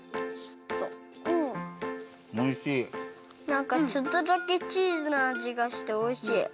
なんかちょっとだけチーズのあじがしておいしい。